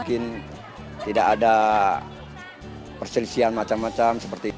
mungkin tidak ada perselisian macam macam